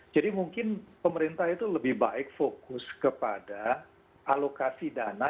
jadi mungkin pemerintah itu lebih baik fokus kepada alokasi dana